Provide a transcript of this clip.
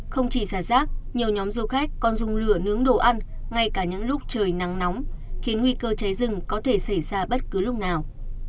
không chỉ xả rác nhiều nhóm du khách còn dùng lửa nướng đồ ăn ngay cả những lúc trời nắng nóng khiến nguy cơ cháy rừng có thể xảy ra bất cứ lúc nào